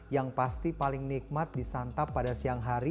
yang pasti paling nikmat disantap pada siang hari